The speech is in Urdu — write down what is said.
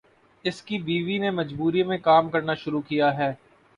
اس کی بیوی نے مجبوری میں کام کرنا شروع کیا ہے۔